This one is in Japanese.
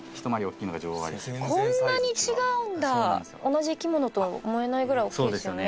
同じ生き物とは思えないぐらい大きいですよね。